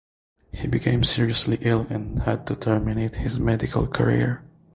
He became seriously ill and had to terminate his medical career.